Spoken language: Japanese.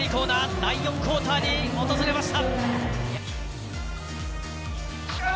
第４クオーターに訪れました。